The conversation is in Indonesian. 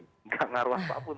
tidak ngaruh apapun